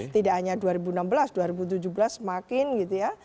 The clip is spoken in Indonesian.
tidak hanya dua ribu enam belas dua ribu tujuh belas semakin gitu ya